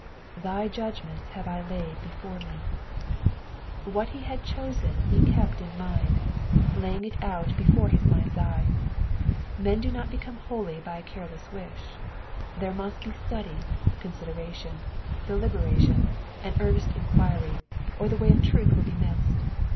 *'Tky judgments Tiave I laid before me,''^ What he had chosen he kept in mind, laying it out before his mind's eye. Men do not become holy by a careless wish : there must be study, consideration, deliberation, aud earnest enquiry, or the way of truth will be missed.